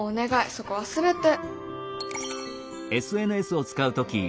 そこ忘れて。